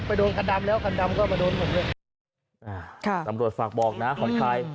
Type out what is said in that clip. ไปโดนขั้นดำแล้วขั้นดำก็ไปโดนหมดเลย